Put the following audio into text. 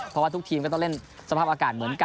เพราะว่าทุกทีมก็ต้องเล่นสภาพอากาศเหมือนกัน